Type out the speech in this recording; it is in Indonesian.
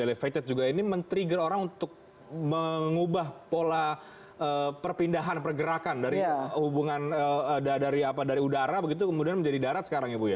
elevated juga ini men trigger orang untuk mengubah pola perpindahan pergerakan dari hubungan dari udara begitu kemudian menjadi darat sekarang ya bu ya